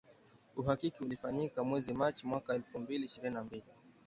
Uhakiki ulifanyika mwezi Machi mwaka elfu mbili ishirini na mbili